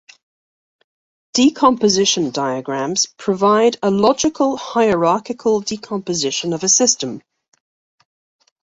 Decomposition diagrams provide a logical hierarchical decomposition of a system.